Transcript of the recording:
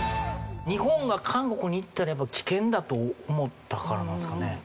日本が韓国に行ったらやっぱ危険だと思ったからなんですかね？